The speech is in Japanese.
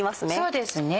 そうですね。